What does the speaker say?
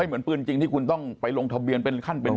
เหมือนปืนจริงที่คุณต้องไปลงทะเบียนเป็นขั้นเป็น